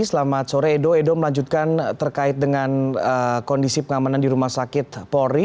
selamat sore edo edo melanjutkan terkait dengan kondisi pengamanan di rumah sakit polri